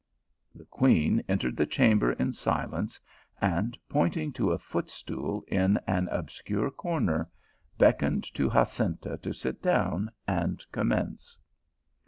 The queen entered the chamber in silence, and, pointing to a footstool in an obscure corner, beck oned to Jacinta to sit down and commence.